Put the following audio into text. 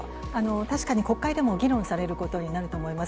確かに国会でも議論されることになると思います。